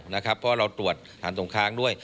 เพราะเราตรวจฐานตรงค้างด้วย